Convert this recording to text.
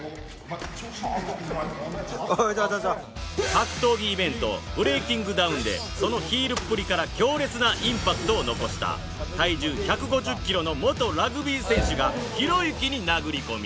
格闘技イベント ＢｒｅａｋｉｎｇＤｏｗｎ でそのヒールっぷりから強烈なインパクトを残した体重１５０キロの元ラグビー選手がひろゆきに殴り込み